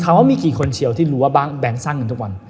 ว่ามีกี่คนเชียวที่รู้ว่าแบงค์สร้างเงินทุกวัน